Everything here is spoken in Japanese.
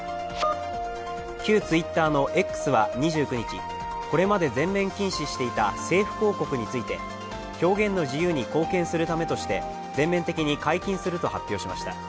旧ＴｗｉｔｔｅｒのＸは２９日これまで全面禁止していた政府広告について、表現の自由に貢献するためとして全面的に解禁すると発表しました。